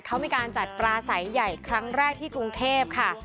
เขามีการจัดปลาใสใหญ่ครั้งแรกที่กรุงเทพค่ะ